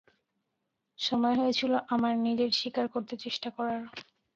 সময় হয়েছিল আমার নিজের শিকার করতে চেষ্টা করার।